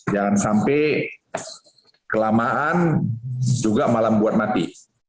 jangan sampai kelamaan juga malam buat mati